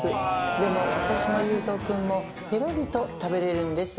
でも私も勇造くんもペロリと食べられるんです。